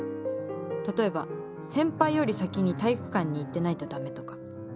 例えば先輩より先に体育館に行ってないと駄目とか。